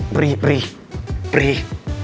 perih perih perih